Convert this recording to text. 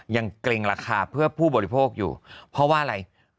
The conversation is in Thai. เกรงราคาเพื่อผู้บริโภคอยู่เพราะว่าอะไร